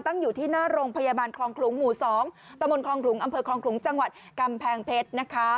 ตั้งอยู่ที่หน้าโรงพยาบาลคลองขลุงหมู่๒ตะมนตคลองขลุงอำเภอคลองขลุงจังหวัดกำแพงเพชรนะคะ